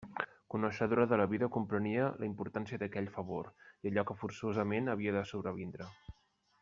Coneixedora de la vida, comprenia la importància d'aquell favor i allò que forçosament havia de sobrevindre.